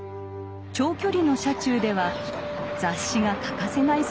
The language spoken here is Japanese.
長距離の車中では雑誌が欠かせない存在でした。